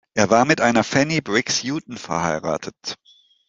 Er war mit einer Fannie Briggs Houghton verheiratet.